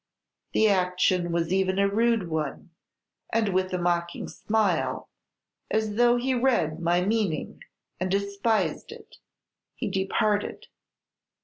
The action was even a rude one; and with a mocking smile, as though he read my meaning and despised it, he departed.